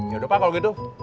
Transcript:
yaudah pak kalau gitu